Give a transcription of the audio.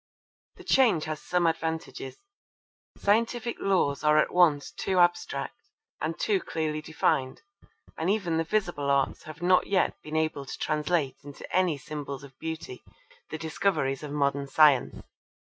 The change has some advantages. Scientific laws are at once too abstract and too clearly defined, and even the visible arts have not yet been able to translate into any symbols of beauty the discoveries of modern science.